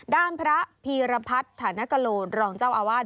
ด้านพระพีรพัฒน์ฐานกโลนรองเจ้าอาวาส